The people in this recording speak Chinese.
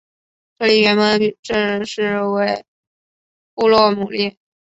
这里原本正式名称是布罗姆利。